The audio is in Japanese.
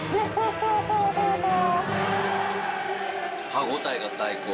歯応えが最高。